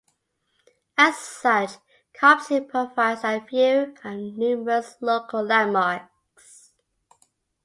As such, Copp's Hill provides a view of numerous local landmarks.